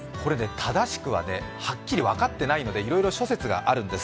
正しくははっきり分かっていないのでいろいろ諸説があるんです。